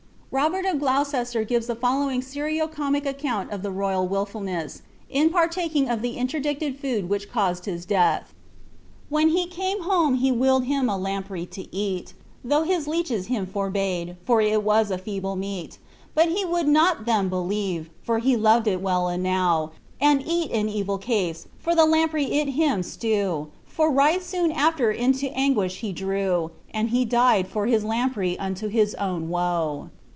Robert of Gloucester gives the following serio comic account of the lyal wilfulness, in partaking of the interdicted food which caused his 9ath: " When he came home he willed him a lamprey to eat. Though hit leeches him forbade, for it was a feeble meat ; But he would not them believei for he loved it well enow, And eat in evil case, for the lamprey it him slew, For right soon af\er it into anguish him drew, And he died for his lamprey unto his own woe."